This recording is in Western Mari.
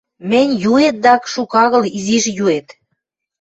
— Мӹнь юэт дак, шукы агыл, изиш юэт.